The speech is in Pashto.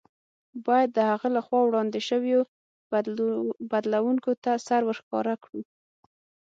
باید د هغه له خوا وړاندې شویو بدلوونکو ته سر ورښکاره کړو.